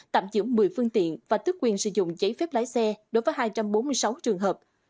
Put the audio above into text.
tạm giữ một mươi phương tiện và tước quyền sử dụng giấy phép lái xe đối với hai trăm bốn mươi sáu trường hợp